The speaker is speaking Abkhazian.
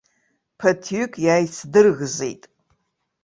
Ԥыҭҩык иааицдырӷызит.